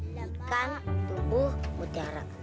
ikan tubuh mutiara